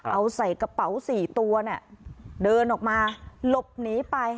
เอาใส่กระเป๋าสี่ตัวเนี่ยเดินออกมาหลบหนีไป